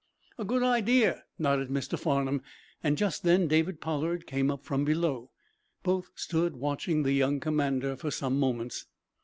"A good idea," nodded Mr. Farnum, and just then David Pollard came up from below. Both stood watching the young commander for some moments.